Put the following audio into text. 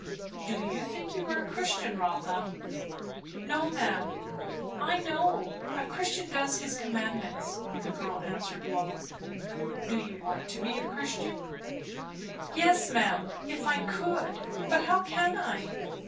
"Do you think you are a Christian, Rotha?" "No, ma'am. I know a Christian does His commandments," the girl answered low. "Do you want to be a Christian?" "Yes, ma'am, if I could; but how can I?"